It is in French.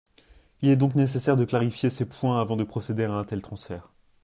Il est donc nécessaire de clarifier ces points avant de procéder à un tel transfert.